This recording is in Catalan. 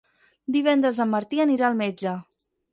Divendres en Martí anirà al metge.